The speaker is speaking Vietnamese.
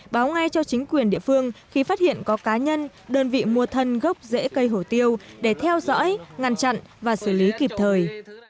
báo ngay cho chính quyền địa phương khi phát hiện có cá nhân đơn vị mua thân gốc rễ cây hổ tiêu để theo dõi ngăn chặn và xử lý kịp thời